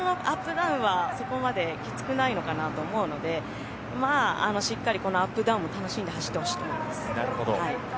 ダウンはそこまできつくないのかなと思うのでしっかりこのアップダウンを楽しんで走ってほしいと思います。